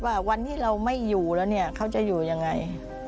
ว่าวันที่เราไม่อยู่แล้วเขาจะอยู่อย่างไร